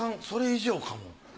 それ以上かも。